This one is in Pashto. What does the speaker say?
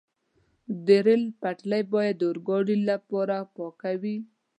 د ریل پټلۍ باید د اورګاډي لپاره پاکه وي.